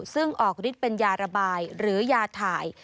ซึ่งออกฤทธิ์เป็นยาระบายหรือยาถ่าย